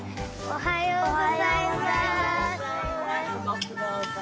おはようございます。